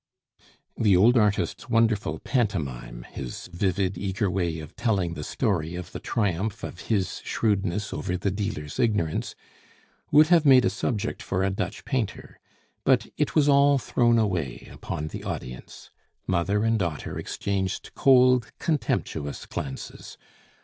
The old artist's wonderful pantomime, his vivid, eager way of telling the story of the triumph of his shrewdness over the dealer's ignorance, would have made a subject for a Dutch painter; but it was all thrown away upon the audience. Mother and daughter exchanged cold, contemptuous glances.